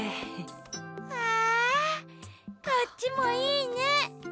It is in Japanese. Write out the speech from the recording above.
わこっちもいいね。